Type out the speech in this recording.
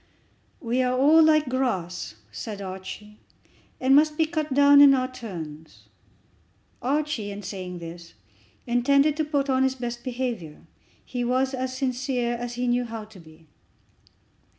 "We are all like grass," said Archie, "and must be cut down in our turns." Archie, in saying this, intended to put on his best behaviour. He was as sincere as he knew how to be.